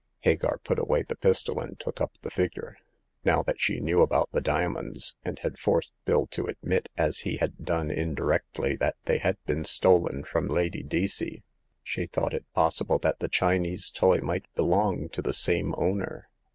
Hagar put away the pistol, and took up the figure. Now that she knew about the diamonds, and had forced Bill to admit, as he had done in directly, that they had been stolen from Lady Deacey, she thought it possible that the Chinese toy might belong to the same owner.